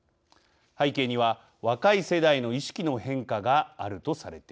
背景には若い世代の意識の変化があるとされています。